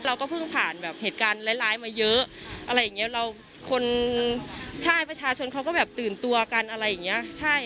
เราก็เพิ่งผ่านเหตุการณ์หลายมาเย้อคนชายประชาชนเขาก็ตื่นตัวกันอะไรอย่างเงี้ย